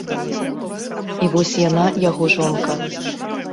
І вось яна яго жонка.